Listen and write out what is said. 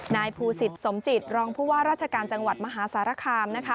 นายภูศิษธิ์สมจิตรองภูว่ารัชการจังหวัดมหาศาลคราม